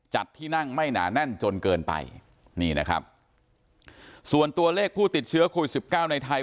ที่นั่งไม่หนาแน่นจนเกินไปนี่นะครับส่วนตัวเลขผู้ติดเชื้อโควิดสิบเก้าในไทย